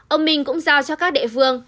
ông bình cũng giao cho các địa phương